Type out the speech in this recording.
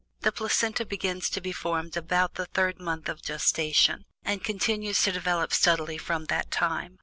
The Placenta begins to be formed about the third month of gestation, and continues to develop steadily from that time.